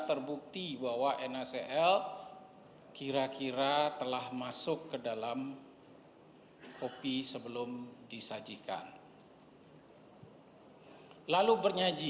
terbukti bahwa nsl kira kira telah masuk ke dalam hai kopi sebelum disajikan hai hai hai lalu bernyaji